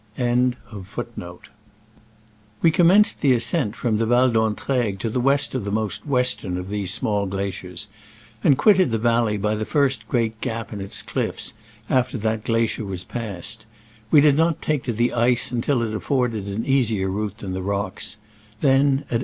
Val d' Entraigues to the west of the most western of these small glaciers, and quitted the valley by the first great gap in its cliffs after that glacier was passed. We did not take to the ice until it afford ed an easier route than the rocks : then (at 8.